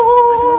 gak ada bu